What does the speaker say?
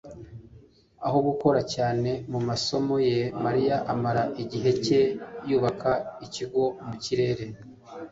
Aho gukora cyane mu masomo ye, Mariya amara igihe cye yubaka ikigo mu kirere